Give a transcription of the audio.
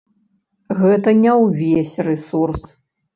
Гэта не ўвесь рэсурс.